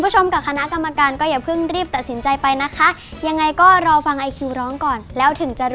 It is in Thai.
สามส์ตาลากฝันด้วยนะจ๊ะ